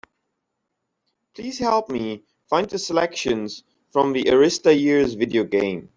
Please help me find the Selections from the Arista Years video game.